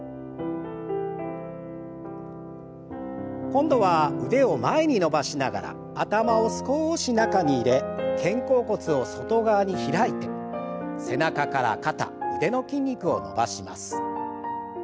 今度は腕を前に伸ばしながら頭を少し中に入れ肩甲骨を外側に開いて背中から肩腕の筋肉を伸ばします。